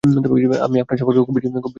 আমি আপনার সম্পর্কে খুব বেশি জানি না।